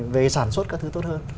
về sản xuất các thứ tốt hơn